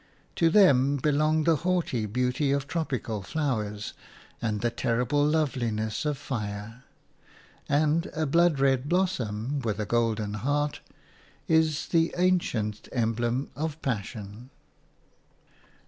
To them belong the haughty beauty of tropical flowers and the terrible loveliness of fire, and a blood red blossom with a golden heart is the ancient emblem of passion.